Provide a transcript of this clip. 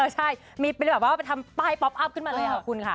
ใช่มีเป็นแบบว่าไปทำป้ายป๊อปอัพขึ้นมาเลยค่ะคุณค่ะ